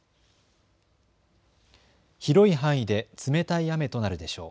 広い範囲で冷たい雨となるでしょう。